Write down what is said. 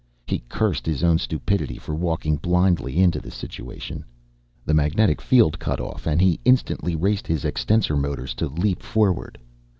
He cursed his own stupidity for walking blindly into the situation. The magnetic field cut off and he instantly raced his extensor motors to leap forward.